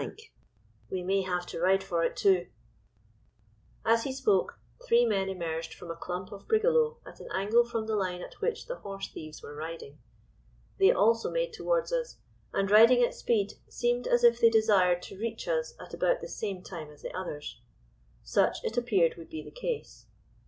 we may have to ride for it too—' As he spoke, three men emerged from a clump of brigalow at an angle from the line at which the 'horse thieves' were riding. They also made towards us, and riding at speed, seemed as if they desired to reach us at about the same time as the others. Such, it appeared, would be the case.